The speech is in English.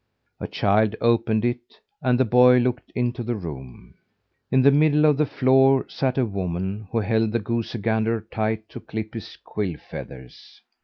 A child opened it, and the boy looked into the room. In the middle of the floor sat a woman who held the goosey gander tight to clip his quill feathers.